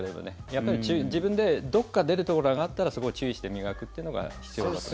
やっぱり自分でどこか出るところがあったらそこを注意して磨くというのが必要だと。